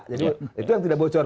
jadi itu yang tidak bocor